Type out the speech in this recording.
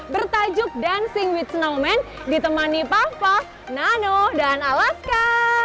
bertajuk dancing with nomen ditemani papa nano dan alaska